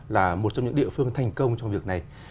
là một trong những địa phương thành công trong việc này